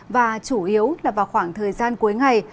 và chủ yếu là vào khoảng thời gian cuối ngày